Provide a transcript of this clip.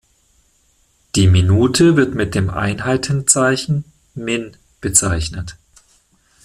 Die Minute wird mit dem Einheitenzeichen „min“ bezeichnet.